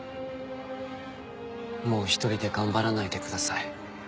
もう一人で頑張らないでください。